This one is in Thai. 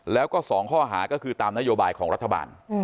แล้วก็๒ข้อหาก็คือตามนโยบายของรัฐบาล